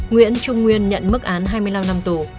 nguyễn trung nguyên nhận mức án hai mươi năm năm tù